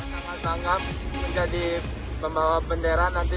saya sangat bangga menjadi pembawa bendera nanti